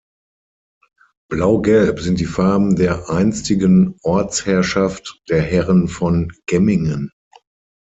Blau-Gelb sind die Farben der einstigen Ortsherrschaft, der Herren von Gemmingen.